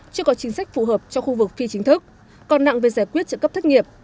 chưa có chính sách phù hợp cho khu vực phi chính thức còn nặng về giải quyết trợ cấp thất nghiệp